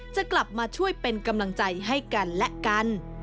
จะกลับมาช่วยเป็นกำลังใจให้กันและกัน